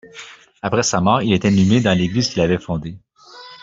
Après sa mort il est inhumé dans l'église qu'il avait fondée.